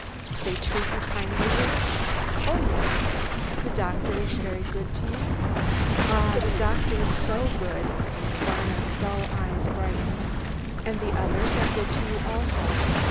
"They treat you kindly here?" "Oh, yes." "The doctor is very good to you?" "Ah, the doctor is so good!" Varna's dull eyes brightened. "And the others are good to you also?"